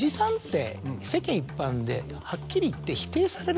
世間一般ではっきり言って。